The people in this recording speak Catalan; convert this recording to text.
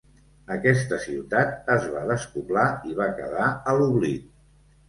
Aquesta ciutat es va despoblar i va quedar a l'oblit.